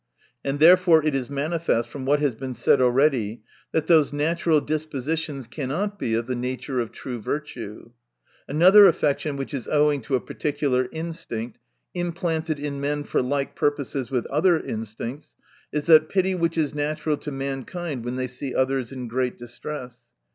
And therefore it is manifest from what has been said already, that those natural dispositions cannot be of the nature of true virtue. Another affection which is owing to a particular instinct, implanted in men for like purposes with other instincts, is that pity which is natural to mankind, when they see others in great distress.